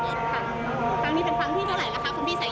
ตอนนี้เป็นครั้งหนึ่งครั้งหนึ่ง